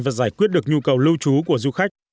và giải quyết được nhu cầu lưu trú của du khách